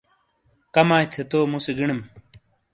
کمائی تھے تو مُسے گِنیم۔